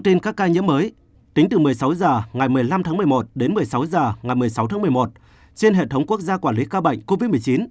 trên hệ thống quốc gia quản lý ca bệnh covid một mươi chín